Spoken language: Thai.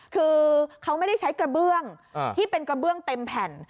คือเขาไม่ได้ใช้กระเบื้องที่เป็นกระเบื้องเต็มแผ่น